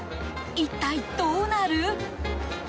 一体どうなる？